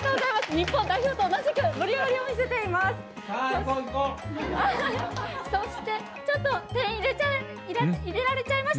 日本代表と同じく、盛り上がりを見せています。